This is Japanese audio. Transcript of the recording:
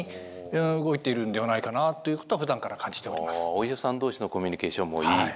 お医者さん同士のコミュニケーションもいいと。